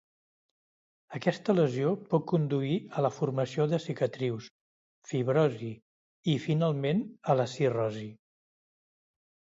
Aquesta lesió pot conduir a la formació de cicatrius, fibrosi i, finalment, a la cirrosi.